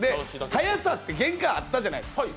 速さって限界あったじゃないですか。